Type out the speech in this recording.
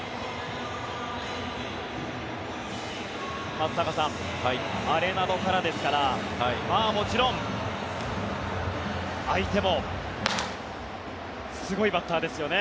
松坂さん、アレナドからですからもちろん相手もすごいバッターですよね。